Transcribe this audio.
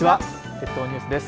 列島ニュースです。